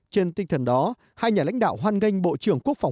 trên tinh thần đó hai nhà lãnh đạo hoan nghênh bộ trưởng quốc phòng